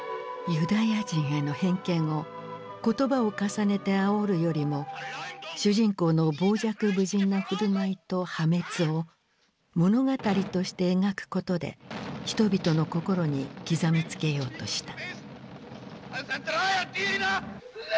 ユダヤ人への偏見を言葉を重ねてあおるよりも主人公の傍若無人な振る舞いと破滅を物語として描くことで人々の心に刻みつけようとした。